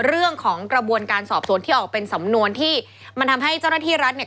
เรื่องของการสอบสวนที่ออกเป็นสำนวนที่มันทำให้เจ้าหน้าที่รัฐเนี่ย